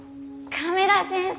亀田先生